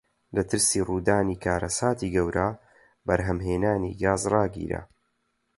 لە ترسی ڕوودانی کارەساتی گەورە بەرهەمهێنانی گاز ڕاگیرا.